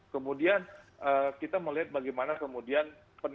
kemudian kita melihat bagaimana kemudian